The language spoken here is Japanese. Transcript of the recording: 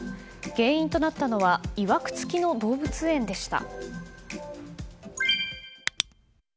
原因となったのはいわくつきの動物園でした。